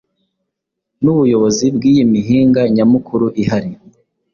Nubuyobozi bwiyi mihinga nyamukuru ihari